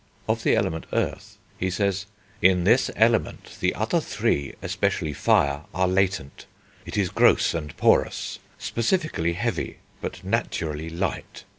Of the element Earth, he says: "In this element the other three, especially fire, are latent.... It is gross and porous, specifically heavy, but naturally light....